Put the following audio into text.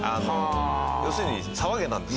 要するに「騒げ」なんです。